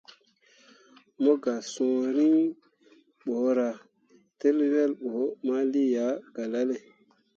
Mo gah sũũ riŋ borah tǝl wel bo ma lii yah mai galale.